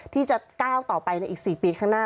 ที่จะก้าวต่อไปในอีก๔ปีข้างหน้า